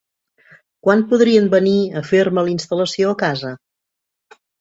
Quan podrien venir a fer-me la instal·lació a casa?